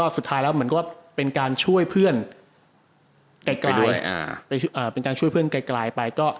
สุดท้ายแล้วมันก็เป็นการช่วยเพื่อนไกลไป